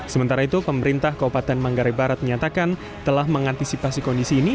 sementara itu pemerintah kabupaten manggarai barat menyatakan telah mengantisipasi kondisi ini